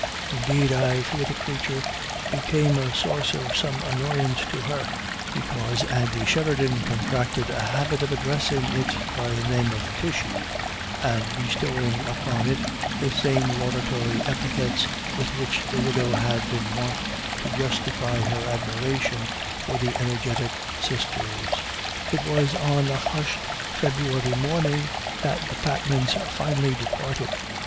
Indeed, I fear the creature became a source of some annoyance to her, because Andy Sheridan contracted a habit of addressing it by the name of Tishy, and bestowing upon it the same laudatory epithets with which the widow had been wont to justify her admiration for the ener getic sisters. It was on a hushed February morning that the Patmans finally departed.